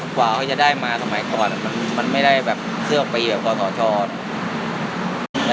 กว่าเค้าจะได้มาสมัยก่อนมันไม่ได้แบบเสื้อออกไปอีกแบบก่อนต่อ